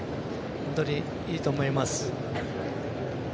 本当にいいと思います。